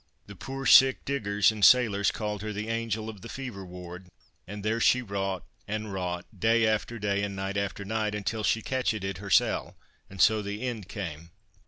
The puir sick diggers and sailors called her 'The Angel of the Fever Ward,' and there she wrought, and wrought, day after day, and night after night, until she catchit it hersel', and so the end came.